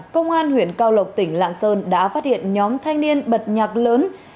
công an huyện cao lộc tỉnh lạng sơn đã phát hiện nhóm thanh niên bật nhạc lớn